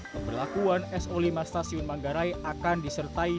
pemberlakuan so lima stasiun manggarai akan disertai